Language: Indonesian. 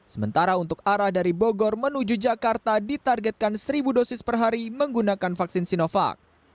sementara untuk arah dari bogor menuju jakarta ditargetkan seribu dosis per hari menggunakan vaksin sinovac